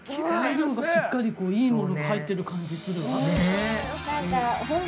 ◆材料がしっかり、いいものが入ってる感じするわ。